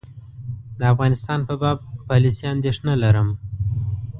د افغانستان په باب پالیسي اندېښنه لرم.